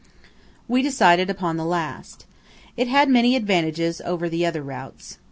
We decided upon the last. It had many advantages over the other routes.